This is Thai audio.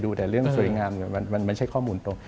แต่เรื่องสวยงามมันไม่ใช่ข้อมูลตรง